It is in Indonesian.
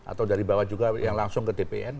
atau dari bawah juga yang langsung ke dpn